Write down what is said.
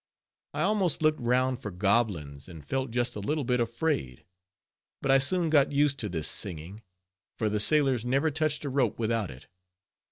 I almost looked round for goblins, and felt just a little bit afraid. But I soon got used to this singing; for the sailors never touched a rope without it.